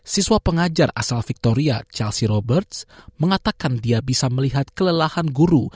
siswa pengajar asal victoria chelsea roberts mengatakan dia bisa melihat kelelahan guru